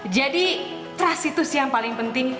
jadi trust itu sih yang paling penting